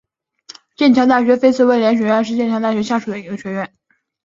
剑桥大学菲茨威廉学院是剑桥大学下属的一个学院。